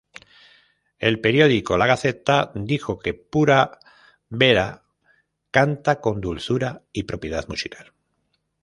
El periódico "La Gazzetta" dijo que Pura Vera canta con dulzura y propiedad musical.